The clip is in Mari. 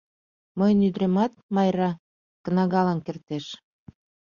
Мыйын ӱдыремат, Майра, кнагалан кертеш...